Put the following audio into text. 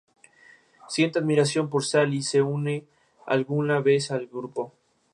Siente admiración por Sally.Se une alguna vez al grupo.